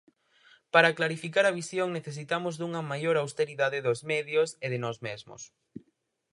Para clarificar a visión necesitamos dunha maior austeridade dos medios e de nós mesmos.